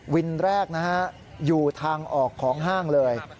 วินแรกอยู่ทางออกของห้างเลย